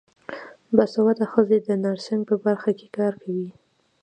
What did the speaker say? باسواده ښځې د نرسنګ په برخه کې کار کوي.